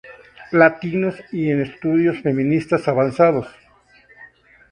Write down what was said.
Latinos y en Estudios Feministas Avanzados.